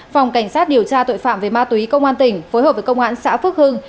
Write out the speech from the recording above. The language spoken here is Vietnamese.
phòng cảnh sát điều tra tội phạm về ma túy công an tỉnh phối hợp với công an xã phước hưng